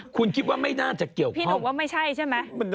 คุณคิดว่าไม่น่าจะเกี่ยวข้อง